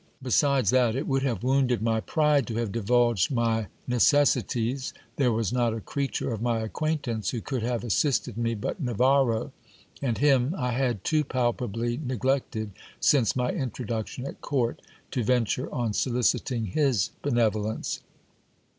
Be sides that it would have wounded my pride to have divulged my necessities, there was not a creature of my acquaintance who could have assisted me but Navarro, and him I had too palpably neglected since my introduction at court, to venture on soliciting his benevolence.